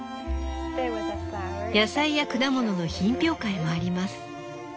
「野菜や果物の品評会もあります」。